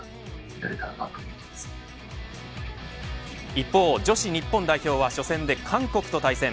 一方、女子日本代表は初戦で韓国と対戦。